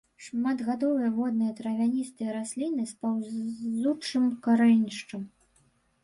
Шматгадовыя водныя травяністыя расліны з паўзучым карэнішчам.